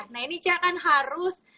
nah ini cak kan harus